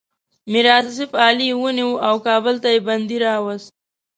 میر آصف علي یې ونیو او کابل ته یې بندي راووست.